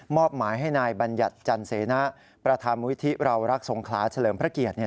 อบหมายให้นายบัญญัติจันเสนะประธานมุยธิเรารักสงขลาเฉลิมพระเกียรติ